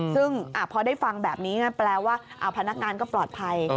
ซึ่งพอได้ฟังแบบนี้แปลว่าพนักงานก็ปลอดภัย